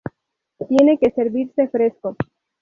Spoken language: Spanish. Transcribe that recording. Tiene que servirse fresco.